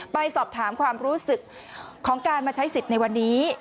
ไปสอบถามความรู้สึกของการมาใช้สิทธิ์ในวันนี้